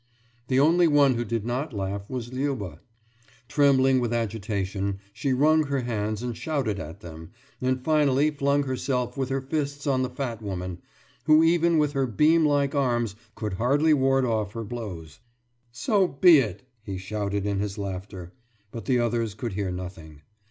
The only one who did not laugh was Liuba. Trembling with agitation, she wrung her hands and shouted at them, and finally flung herself with her fists on the fat woman, who even with her beam like arms could hardly ward off her blows. »So be it!« he shouted in his laughter. But the others could hear nothing.